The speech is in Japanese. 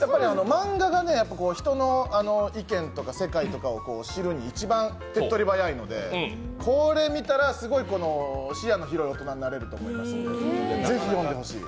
漫画が人の意見とか世界を知るのに一番手っ取り早いのでこれ見たら、すごい視野の広い大人になれると思いますのでぜひ読んでほしい。